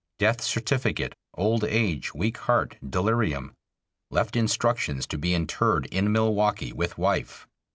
Death certificate, "old age, weak heart, delirium." Left instructions to be interred in Milwaukee with wife.